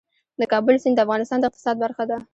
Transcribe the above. د کابل سیند د افغانستان د اقتصاد برخه ده.